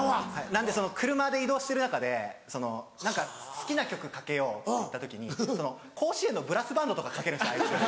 なんで車で移動してる中で「何か好きな曲かけよう」っていった時に甲子園のブラスバンドとかかけるんですよ